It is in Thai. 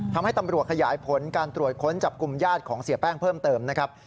ทำให้ตำรวจขยายผลการตรวจค้นจับกลุ่มญาติของเสียแป้งเพิ่มเติมนะครับ